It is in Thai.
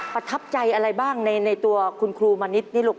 ประทับใจอะไรบ้างในตัวคุณครูมณิษฐ์นี่ลูก